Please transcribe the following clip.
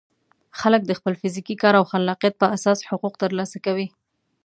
خلک د خپل فزیکي کار او خلاقیت په اساس حقوق ترلاسه کوي.